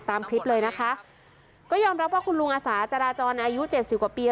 ตามคลิปเลยนะคะก็ยอมรับว่าคุณลุงอาสาจราจรอายุเจ็ดสิบกว่าปี